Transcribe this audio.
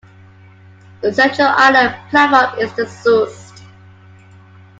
The central island platform is disused.